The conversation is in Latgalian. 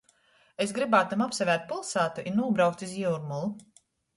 Es grybātum apsavērt piļsātu i nūbraukt iz Jiurmolu.